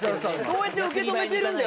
そうやって受け止めてるんだよ